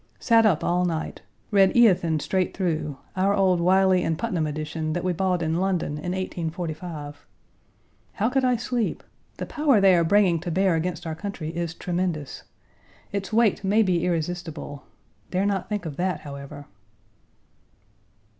Sat up all night. Read Eothen straight through, our old Wiley and Putnam edition that we bought in London in 1845. How could I sleep? The power they are bringing to bear against our country is tremendous. Its weight may be irresistible dare not think of that, however.